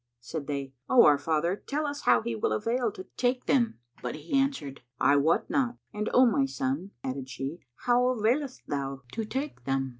Said they, 'O our father, tell us how he will avail to take them.' But he answered, 'I wot not.' And O my son," added she, "how availedst thou to take them?"